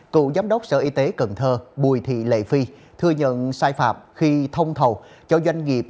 cựu giám đốc sở y tế cần thơ bùi thị lệ phi thừa nhận sai phạm khi thông thầu cho doanh nghiệp